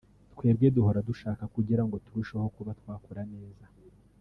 twebwe duhora dushaka kugira ngo turusheho kuba twakora neza